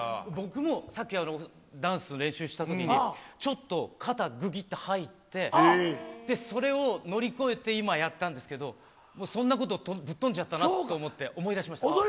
僕もさっき、ダンスの練習したときに、ちょっと肩、ぐぎっと入って、それを乗り越えて、今、やったんですけど、もうそんなことぶっ飛んじゃったなと思って、思い出しました。